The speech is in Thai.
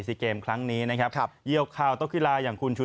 สีเกมคลั้งนี้นะครับถาม